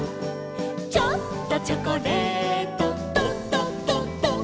「ちょっとチョコレート」「ドドドド」